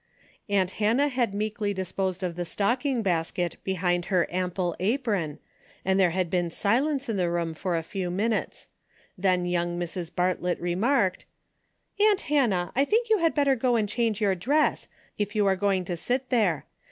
Aunt Hannah had meekly disposed of the stocking basket behind her ample apron, and tliere had been silence in the room for a few minutes. Then young Mrs. Bartlett re marked :" Aunt Hannah, I think you had better go and change your dress, if you are going to sit there.